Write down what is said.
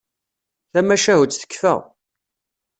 Tamacahut tekfa.